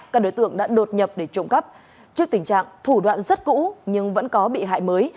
các đối tượng đã đột nhập để trộm cắp trước tình trạng thủ đoạn rất cũ nhưng vẫn có bị hại mới